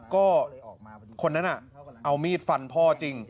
ก็คนนั้นเอามีดฟันพ่อจริง